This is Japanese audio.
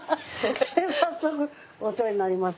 早速お世話になります。